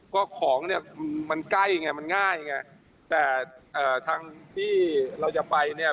ก็ของเนี่ยมันใกล้ไงมันง่ายไงแต่เอ่อทางที่เราจะไปเนี่ย